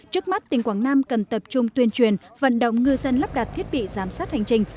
trước mắt tỉnh quảng nam cần tập trung tuyên truyền vận động ngư dân lắp đặt thiết bị giám sát hành trình